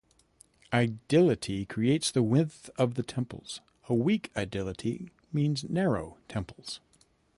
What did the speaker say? Ideality creates the width of the temples; a weak Ideality means narrow temples.